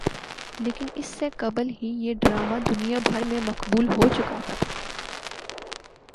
لیکن اس سے قبل ہی یہ ڈرامہ دنیا بھر میں مقبول ہوچکا تھا